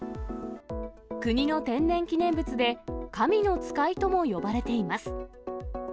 国の天然記念物で、神の使いとも呼ばれています。